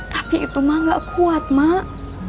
kaki itu mah gak kuat mak